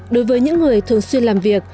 đối với những người thường xuyên làm việc